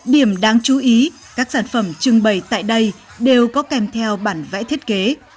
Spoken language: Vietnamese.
điểm đáng chú ý các sản phẩm trưng bày tại đây đều có kèm theo bản vẽ thiết kế